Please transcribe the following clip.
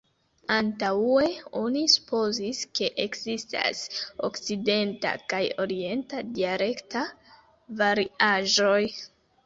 Antaŭe oni supozis, ke ekzistas okcidenta kaj orienta dialekta variaĵoj.